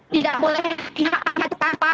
tidak boleh pihak pihak kandung saya